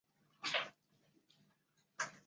至今潮阳区已公布五批市级文物保护单位。